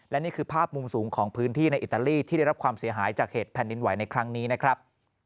และนี่คือภาพมุมสูงของพื้นที่ในอิตาลีที่ได้รับความเสียหายจากเหตุแผ่นดินไหวในครั้งนี้นะครับ